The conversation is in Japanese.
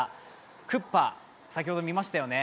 クッパ、先ほど見ましたよね